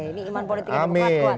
ini iman politiknya kuat